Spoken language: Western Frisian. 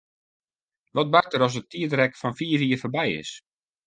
Wat bart der as it tiidrek fan fiif jier foarby is?